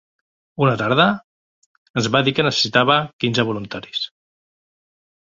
Una tarda, ens va dir que necessitava quinze voluntaris